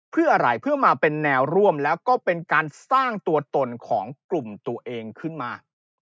เพื่ออะไรเพื่อมาเป็นแนวร่วมแล้วก็เป็นการสร้างตัวตนของกลุ่มตัวเองขึ้นมา